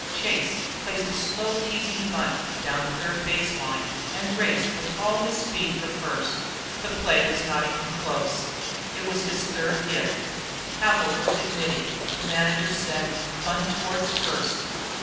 Chase placed a slow teasing bunt down the third base line and raced with all his speed for first. The play was not even close. It was his third hit. Havil looked at Mittie. The new manager said, "Bunt towards first."